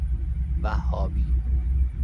وهابی